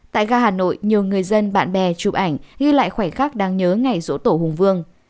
tại gà hà nội nhiều người dân bạn bè chụp ảnh ghi lại khoảnh khắc đáng nhớ ngày rỗ tổ hùng vương